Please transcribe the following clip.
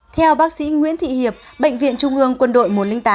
theo bác sĩ nguyễn thị hiệp bệnh viện trung ương quân đội một trăm linh tám